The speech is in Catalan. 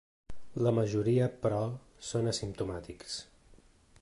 La majoria, però, són asimptomàtics.